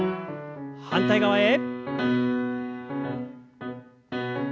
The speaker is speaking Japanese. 反対側へ。